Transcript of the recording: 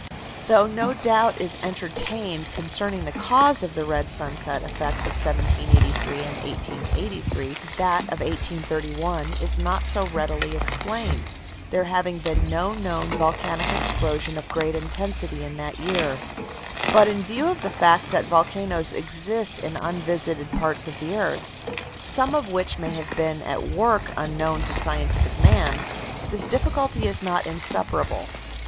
Though no doubt is entertained concerning the cause of the red sunset effects of 1783 and 1883, that of 1831 is not so readily explained, there having been no known volcanic explosion of great intensity in that year. But in view of the fact that volcanoes exist in unvisited parts of the earth, some of which may have been at work unknown to scientific man, this difficulty is not insuperable.